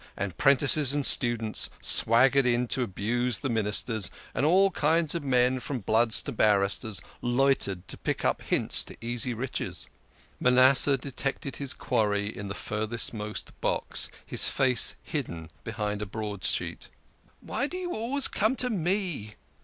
and 'prentices and students swaggered in to abuse the Ministers, and all kinds of men from bloods to barristers loitered to pick up hints to easy riches. Manasseh detected his quarry in the furthermost box, his face hidden behind a broadsheet. " Why do you always come to me